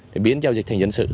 để biến giao dịch thành dân sự